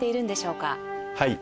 はい。